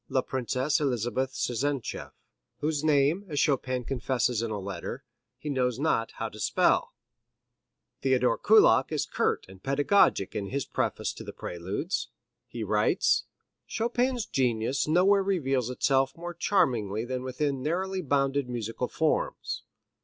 la Princesse Elizabeth Czernicheff, whose name, as Chopin confesses in a letter, he knows not how to spell. II Theodore Kullak is curt and pedagogic in his preface to the Preludes. He writes: Chopin's genius nowhere reveals itself more charmingly than within narrowly bounded musical forms.